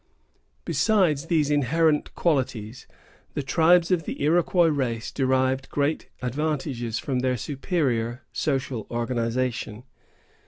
Besides these inherent qualities, the tribes of the Iroquois race derived great advantages from their superior social organization.